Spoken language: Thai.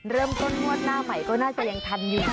เริ่มต้นงวดหน้าใหม่ก็น่าจะยังทันอยู่